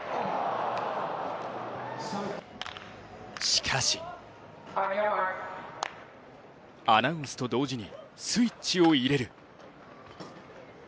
しかしアナウンスと同時にスイッチを入れる。